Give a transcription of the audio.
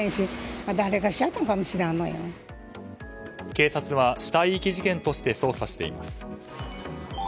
警察は死体遺棄事件として捜査しています。